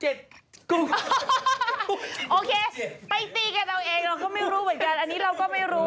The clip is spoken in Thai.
โอเคไปตีกันนะกันเราก็ไม่รู้เหมือนกันเราก็ไม่รู้